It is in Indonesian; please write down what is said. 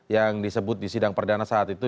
yang disebut di sidang perdana saat itu